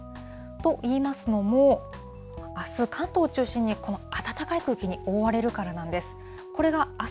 といいますのも、あす、関東を中心にこの暖かい空気に覆われるからなんです。